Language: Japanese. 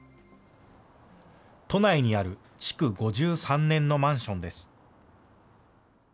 都内にある築５３年のマンションです。